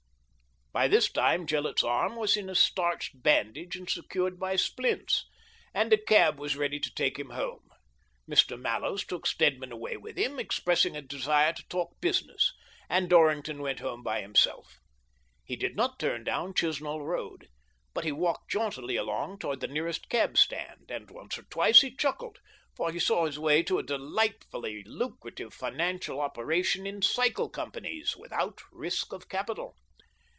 By this time Gillett's arm was in a starched bandage and secured by splints, and a cab was ready to take him home. Mr. Mallows took Stedman away with him, expressing a desire to talk business, and Dorrington went home by himself. He did not turn down Chisnall Eoad. But he walked jauntily along toward the nearest cab stand, and once or twice he chuckled, for he saw his way to a delightfully lucrative financial operation in cycle companies, without risk of capital.